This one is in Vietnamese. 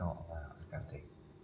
họ lại cảm thấy